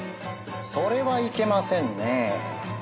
それはいけませんね。